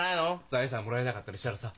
財産もらえなかったりしたらさ。